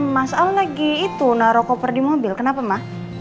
mas al lagi itu naruh koper di mobil kenapa mas